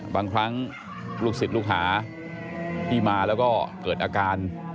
บางครั้งลูกศิษย์ลูกหาที่มาแล้วก็เกิดอาการ